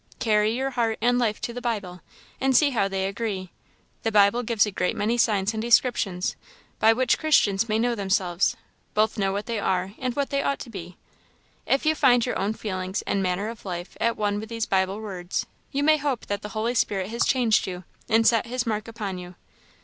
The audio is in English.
"Carry your heart and life to the Bible, and see how they agree. The Bible gives a great many signs and descriptions, by which Christians may know themselves know both what they are and what they ought to be. If you find your own feelings and manner of life at one with these Bible words, you may hope that the Holy Spirit has changed you, and set his mark upon you."